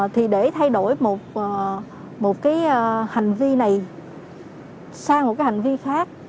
thì để thay đổi một cái hành vi này sang một cái hành vi khác